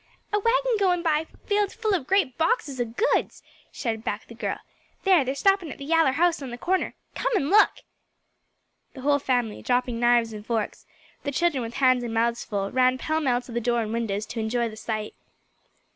"A wagon goin' by filled full of great boxes o' goods," shouted back the girl. "There they're stoppin' at the yaller house on the corner. Come and look." The whole family, dropping knives and forks, the children with hands and mouths full, ran pell mell to door and windows to enjoy the sight.